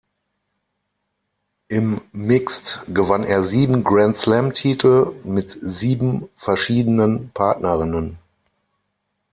Im Mixed gewann er sieben Grand-Slam-Titel mit sieben verschiedenen Partnerinnen.